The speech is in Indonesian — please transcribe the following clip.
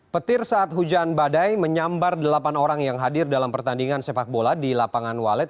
petir saat hujan badai menyambar delapan orang yang hadir dalam pertandingan sepak bola di lapangan walet